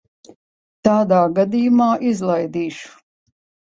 Tādā gadījumā izlaidīšu.